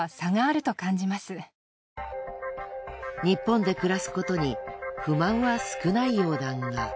日本で暮らすことに不満は少ないようだが。